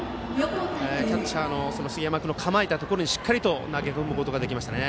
キャッチャーの杉山君の構えたところにしっかりと投げ込むことができましたね。